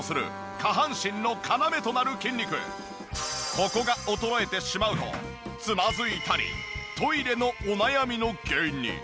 ここが衰えてしまうとつまずいたりトイレのお悩みの原因に。